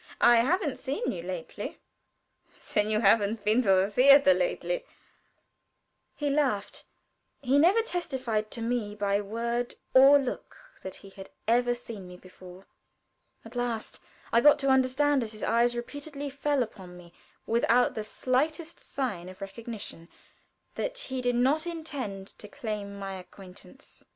I haven't seen you lately." "Then you haven't been at the theater lately," he laughed. He never testified to me by word or look that he had ever seen me before. At last I got to understand as his eyes repeatedly fell upon me without the slightest sign of recognition, that he did not intend to claim my acquaintance.